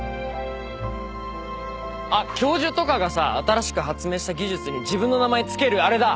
あっ教授とかがさあたらしく発明した技術に自分の名前付けるあれだ。